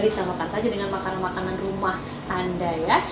disesuaikan saja dengan makanan makanan rumah anda ya